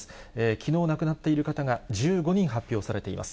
きのう亡くなっている方が１５人発表されています。